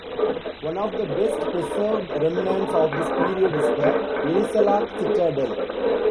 One of the best preserved remnants of this period is the Enisala citadel.